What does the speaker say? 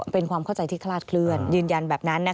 เป็นความเข้าใจที่คลาดเคลื่อนยืนยันแบบนั้น